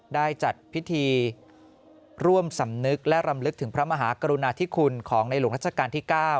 ได้จัดพิธีร่วมสำนึกและรำลึกถึงพระมหากรุณาธิคุณของในหลวงรัชกาลที่๙